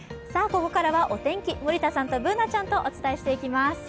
ここからはお天気、森田さんとＢｏｏｎａちゃんとお伝えします。